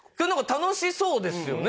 楽しそうですよね。